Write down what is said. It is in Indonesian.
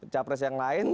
capres yang lain